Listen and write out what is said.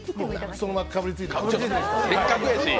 そのままかぶりついても。